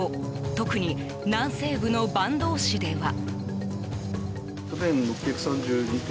特に南西部の坂東市では。